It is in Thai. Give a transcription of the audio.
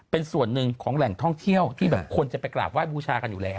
เป็นส่วนหนึ่งของแหล่งท่องเที่ยวที่แบบคนจะไปกราบไห้บูชากันอยู่แล้ว